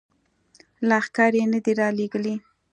لښکر یې نه دي را لیږلي.